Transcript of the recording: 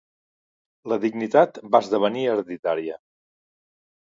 La dignitat va esdevenir hereditària.